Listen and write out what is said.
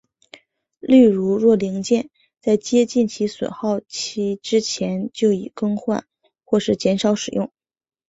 例如若零件在接近其损耗期之前就已更换或是减少使用。